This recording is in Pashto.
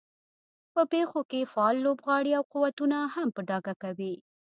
په پېښو کې فعال لوبغاړي او قوتونه هم په ډاګه کوي.